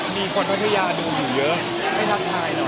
มีคนภัทยาดูอยู่เยอะให้ทักทายหน่อย